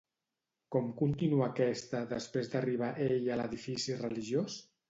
Com continua aquesta després d'arribar ell a l'edifici religiós?